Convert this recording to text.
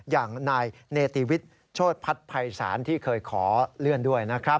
อย่างนายเนติวิทย์โชธพัฒน์ภัยศาลที่เคยขอเลื่อนด้วยนะครับ